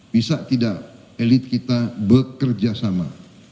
bisa tidak elit kita bekerja sama